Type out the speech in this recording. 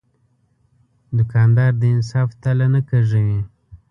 دوکاندار د انصاف تله نه کږوي.